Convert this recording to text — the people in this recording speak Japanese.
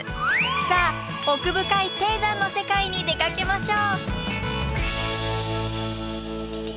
さあ奥深い低山の世界に出かけましょう。